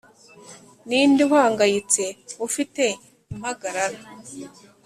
ninde uhangayitse, ufite impagarara